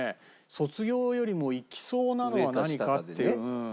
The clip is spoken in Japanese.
『卒業』よりもいきそうなのは何かって。